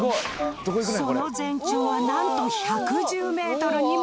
その全長はなんと１１０メートルにも及ぶ。